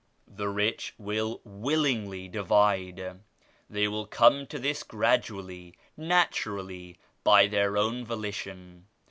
The rich will willingly divide. They will come to this gradually, naturally, by their own voli tion.